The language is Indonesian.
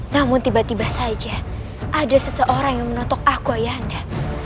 namun tiba tiba saja ada seseorang yang menotok aku ayah anda